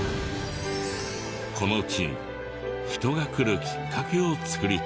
この地に人が来るきっかけを作りたい。